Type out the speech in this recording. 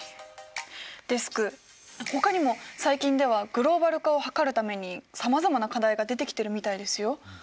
デスクほかにも最近ではグローバル化を図るためにさまざまな課題が出てきてるみたいですよ。